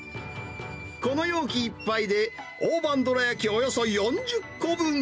この容器いっぱいで、大判どらやきおよそ４０個分。